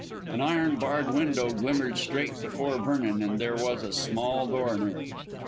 An iron barred window glimmered straight before Vernon, and there was a small door near it.